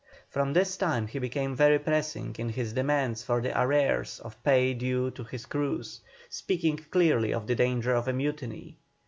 From this time he became very pressing in his demands for the arrears of pay due to his crews, speaking clearly of the danger of a mutiny.